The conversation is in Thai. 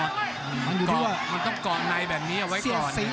มันอยู่ที่ว่ามันต้องเกาะในแบบนี้เอาไว้ก่อน